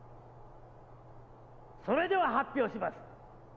・それでは発表します！